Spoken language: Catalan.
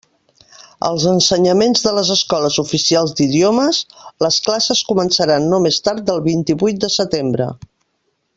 Als ensenyaments de les escoles oficials d'idiomes les classes començaran no més tard del vint-i-vuit de setembre.